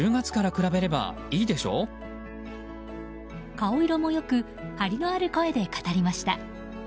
顔色も良く張りのある声で語りました。